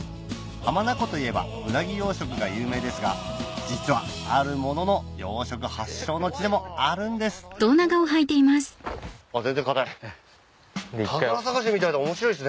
浜名湖といえばウナギ養殖が有名ですが実はあるものの養殖発祥の地でもあるんです全然硬い。